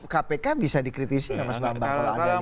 kpk bisa dikritisi tidak mas mbak